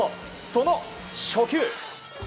その初球。